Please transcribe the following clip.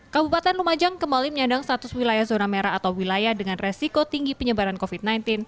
kabupaten lumajang kembali menyandang status wilayah zona merah atau wilayah dengan resiko tinggi penyebaran covid sembilan belas